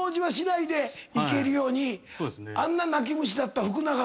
あんな泣き虫だった福長が。